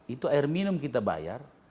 itu air minum kita bayar